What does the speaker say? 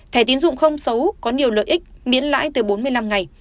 thẻ tín dụng không xấu có nhiều lợi ích biến lãi từ bốn mươi năm ngày